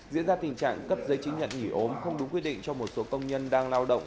diễn ra tình trạng cấp giấy chứng nhận nghỉ ốm không đúng quy định cho một số công nhân đang lao động